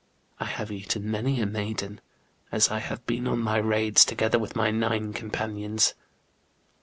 I have eaten many a maiden, as I have been on my raids together with my nine companions.